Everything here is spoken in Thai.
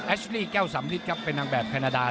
แอชลี่แก้วสำริทเป็นนางแบบแพนาดา